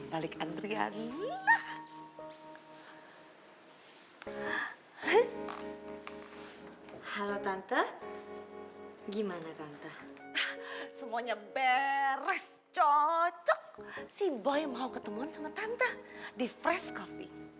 halo tante gimana semuanya beres cocok si boy mau ketemu sama tante di fresh coffee